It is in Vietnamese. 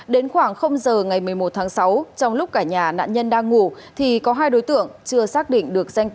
đến khoảng giờ ngày một mươi một tháng sáu trong lúc cả nhà nạn nhân đang ngủ thì có hai đối tượng chưa xác định được danh tính